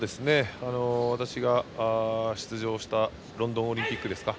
私が出場したロンドンオリンピックですか。